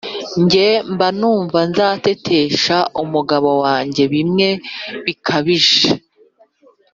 njye mba numva nzatetesha umugabo wanjye bimwe bikabije